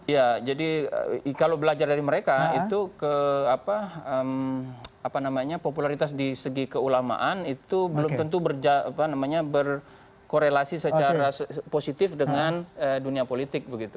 ya jadi kalau belajar dari mereka itu popularitas di segi keulamaan itu belum tentu berkorelasi secara positif dengan dunia politik begitu